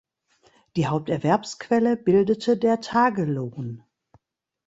Die Haupterwerbsquelle bildete der Tagelohn.